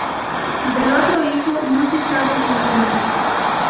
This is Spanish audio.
Del otro hijo no se sabe su nombre.